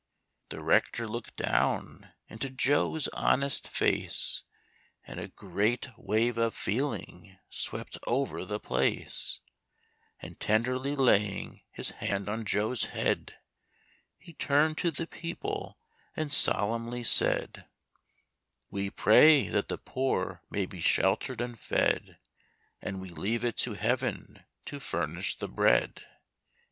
The rector looked down into Joe's honest face, And a great wave of feeling swept over the place; And tenderly laying his hand on Joe's head, He turned to the people and solemnly said: "We pray that the poor may be sheltered and fed, And we leave it to Heaven to furnish the bread.